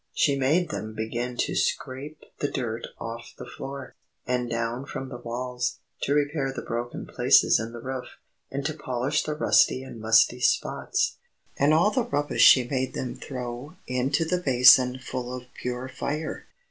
She made them begin to scrape the dirt off the floor, and down from the walls, to repair the broken places in the roof, and to polish the rusty and musty spots. And all the rubbish she made them throw into the basin full of pure fire.